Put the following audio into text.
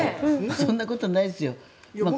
そんなことないですよ。